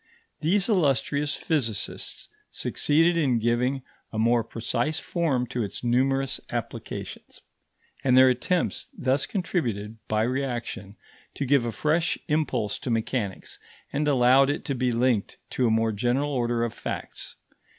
These illustrious physicists succeeded in giving a more precise form to its numerous applications; and their attempts thus contributed, by reaction, to give a fresh impulse to mechanics, and allowed it to be linked to a more general order of facts.